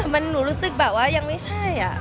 มันหนูรู้สึกแบบว่ายังไม่ใช่